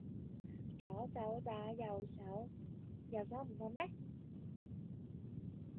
左手打右手，右手唔痛咩